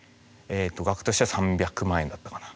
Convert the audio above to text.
額としては３００万円だったかな。